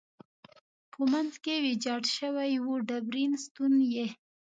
په منځ کې ویجاړ شوی و، ډبرین ستون یې.